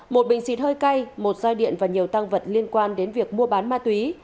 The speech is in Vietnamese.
một bình xịt hơi cay một roi điện và nhiều tăng vật liên quan đến việc mua bán ma túy